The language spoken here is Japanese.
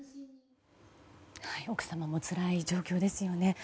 奥様もつらい状況ですよね。